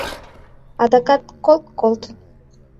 Адакат — колт-колт.